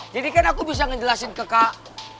jadi kan aku bisa ngejelasin ke kak